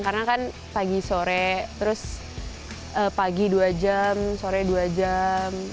karena kan pagi sore terus pagi dua jam sore dua jam